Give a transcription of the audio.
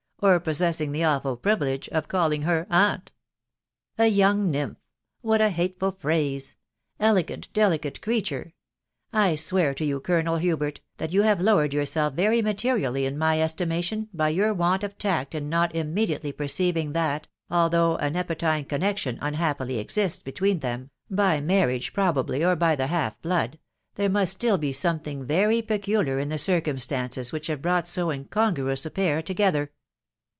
or possessing the awful privilege of calling her caowe !"" A young wyinph !..»■; *whs* a hateful phrase ! JHapsi delicate creature I .».• I swear to you. Calomel Hsjfcot, flat you have lowered yourself very materially in my<eetibMtiai »f your want of tact in not immediately perceiving that, rsithaagk a nepotine connection unhappily exists between than), 'fcjMasr* riage probably, or by die half blood, then mas* arm (be tone thing very peculiar in the circumstances which tare Intact so incongruous a pair together."